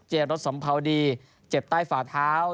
รถสัมภาวดีเจ็บใต้ฝาเท้า